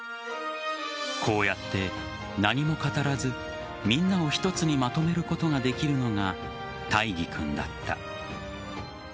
こうやって何も語らずみんなを一つにまとめることができるのが大義君だった。